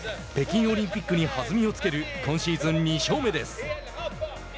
北京オリンピックに弾みをつける今シーズン２勝目です。